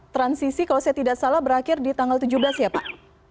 transisi kalau saya tidak salah berakhir di tanggal tujuh belas ya pak